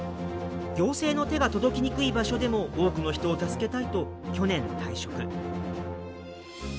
行政の手が届きにくい場所でも多くの人を助けたいと去年退職。